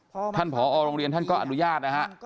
เพราะท่านผอโรงเรียนท่านก็อนุญาตนะฮะ